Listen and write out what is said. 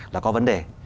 là có vấn đề